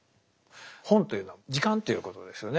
本というのは時間ということですよね